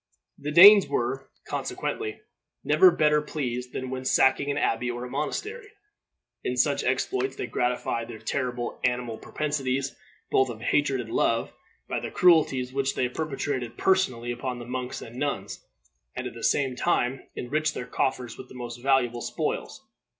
The Danes were, consequently, never better pleased than when sacking an abbey or a monastery. In such exploits they gratified their terrible animal propensities, both of hatred and love, by the cruelties which they perpetrated personally upon the monks and the nuns, and at the same time enriched their coffers with the most valuable spoils.